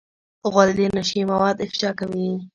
غول د نشې مواد افشا کوي.